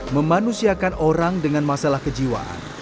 memanusiakan orang dengan masalah kejiwaan